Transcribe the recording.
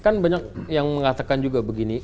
kan banyak yang mengatakan juga begini